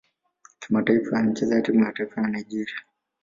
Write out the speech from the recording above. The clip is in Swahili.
Kimataifa anachezea timu ya taifa Nigeria.